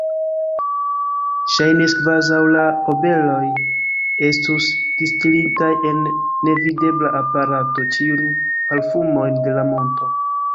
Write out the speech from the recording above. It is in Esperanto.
Ŝajnis, kvazaŭ la abeloj estus distilintaj en nevidebla aparato ĉiujn parfumojn de la monto.